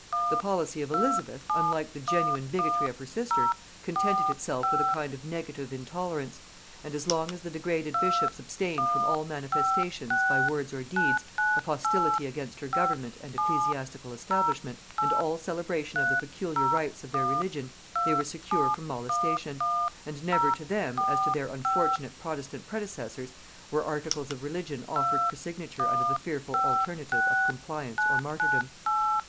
The policy of Elizabeth, unlike the genuine bigotry of her sister, contented itself with a kind of negative intolerance; and as long as the degraded bishops abstained from all manifestations, by words or deeds, of hostility against her government and ecclesiastical establishment, and all celebration of the peculiar rites of their religion, they were secure from molestation; and never to them, as to their unfortunate protestant predecessors, were articles of religion offered for signature under the fearful alternative of compliance or martyrdom.